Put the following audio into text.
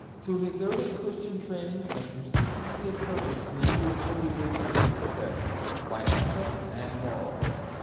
To his early Christian training and persistency of purpose may be attributed his success, financial and moral.